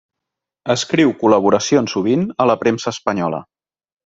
Escriu col·laboracions sovint a la premsa espanyola.